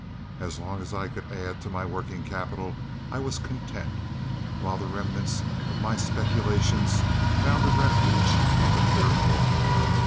As long as I could add to my working capital, I was content, while the remnants of my speculations found a refuge on the Clear Fork.